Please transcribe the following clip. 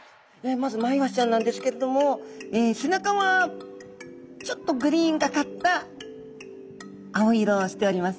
まずマイワシちゃんなんですけれども背中はちょっとグリーンがかった青色をしております。